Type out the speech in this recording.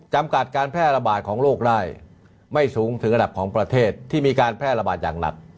จำกัดการแพร่ระบาดของโรคได้ไม่สูงถึงระดับของประเทศที่มีการแพร่ระบาดอย่างหนัก